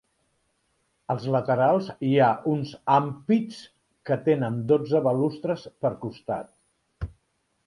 Als laterals hi ha uns ampits que tenen dotze balustres per costat.